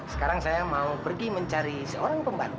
sekarang saya mau pergi mencari seorang pembantu